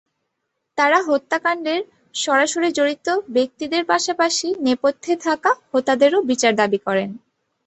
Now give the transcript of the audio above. তাঁরা হত্যাকাণ্ডের সরাসরি জড়িত ব্যক্তিদের পাশাপাশি নেপথ্যে থাকা হোতাদেরও বিচার দাবি করেন।